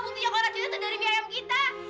butuh jokotan kita dari mie ayam kita